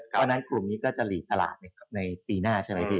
เพราะฉะนั้นกลุ่มนี้ก็จะหลีกตลาดในปีหน้าใช่ไหมพี่